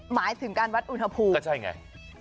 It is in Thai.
หมายถึงการวัดอุณหภูมิก็ใช่ไง